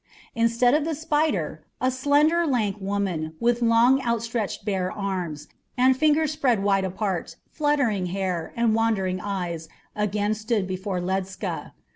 Instead of the spider, a slender, lank woman, with long, outstretched bare arms, and fingers spread wide apart, fluttering hair, and wandering eyes again stood before Ledscha.